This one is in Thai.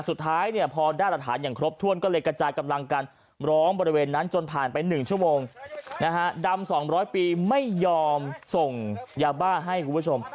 สุดท้ายเนี่ยพอได้หลักฐานอย่างครบถ้วนก็เลยกระจายกำลังกันร้องบริเวณนั้นจนผ่านไป๑ชั่วโมงนะฮะดำ๒๐๐ปีไม่ยอมส่งยาบ้าให้คุณผู้ชม